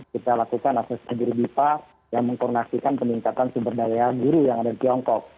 kita lakukan asosiasi guru bipa yang mengkoordinasikan peningkatan sumber daya guru yang ada di tiongkok